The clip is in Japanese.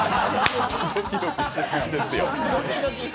ドキドキしすぎですよ。